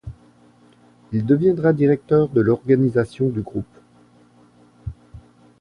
Il deviendra directeur de l'organisation du groupe.